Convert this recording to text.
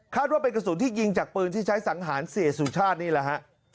ว่าเป็นกระสุนที่ยิงจากปืนที่ใช้สังหารเสียสุชาตินี่แหละฮะ